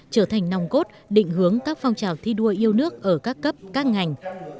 trở thành nòng cốt định hướng các phong trào thi đua yêu nước ở các cấp các ngành